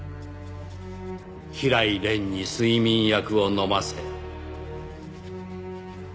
平井蓮に睡眠薬を飲ませ。